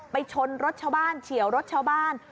ชนรถชาวบ้านเฉียวรถชาวบ้าน